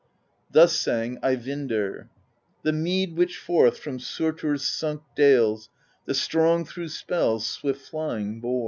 Thus sang Eyvindr: The mead which forth From Surtr's sunk dales The Strong through spells Swift flying bore.